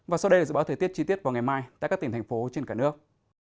và sau đây là dự báo thời tiết chi tiết vào ngày mai tại các tỉnh thành phố trên cả nước